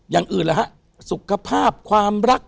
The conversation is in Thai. อย่างอื่นล่ะฮะสุขภาพความรัก